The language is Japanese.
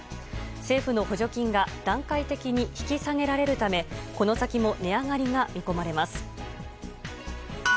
政府の補助金が段階的に引き下げられるためこの先も値上げが見込まれます。